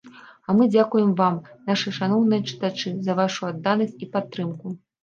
А мы дзякуем вам, нашы шаноўныя чытачы, за вашу адданасць і падтрымку.